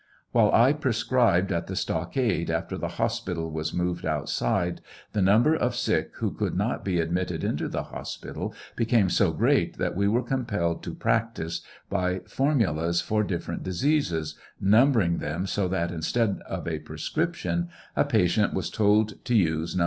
While prescribed at the stockade after the hospital was moved outside, the number of sick who coul not be admitted into the hospital became so great that wo were compelled to practice by for mulas for different diseases, numbering them so that instead of a prescription, a patient wa told to use No.